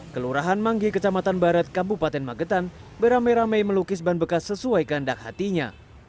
kelurahan manggi kecamatan barat kabupaten magetan beramai ramai melukis ban bekas sesuai kehendak hatinya